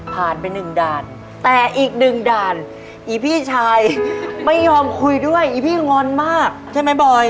ไปหนึ่งด่านแต่อีกหนึ่งด่านอีพี่ชายไม่ยอมคุยด้วยอีพี่งอนมากใช่ไหมบอย